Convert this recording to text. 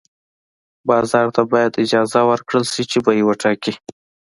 بازار ته باید اجازه ورکړل شي چې بیې وټاکي.